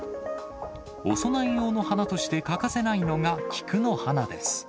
お供え用の花として欠かせないのが菊の花です。